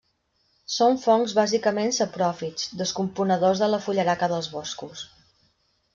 Són fongs bàsicament sapròfits, descomponedors de la fullaraca dels boscos.